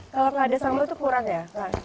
kalau gak ada sambel tuh kurang ya